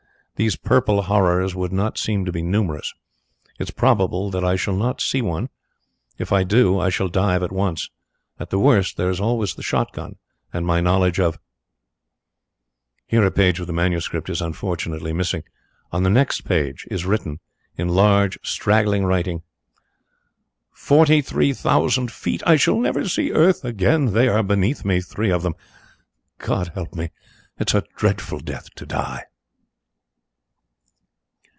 These purple horrors would not seem to be numerous. It is probable that I shall not see one. If I do I shall dive at once. At the worst there is always the shot gun and my knowledge of ..." Here a page of the manuscript is unfortunately missing. On the next page is written, in large, straggling writing: "Forty three thousand feet. I shall never see earth again. They are beneath me, three of them. God help me; it is a dreadful death to die!"